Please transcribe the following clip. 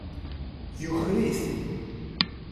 Yuker-it.